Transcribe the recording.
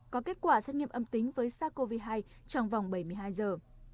có kết quả xét nghiệm âm tính với sars cov hai trong vòng bảy mươi hai giờ